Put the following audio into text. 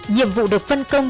nhiệm vụ được phân công